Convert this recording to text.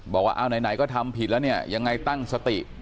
บอกว่าเอาไหนก็ทำผิดแล้วเนี่ยยังไงตั้งสติ